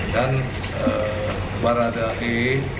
dan barada e